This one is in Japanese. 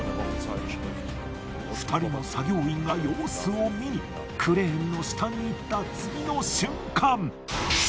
２人の作業員が様子を見にクレーンの下に行った次の瞬間。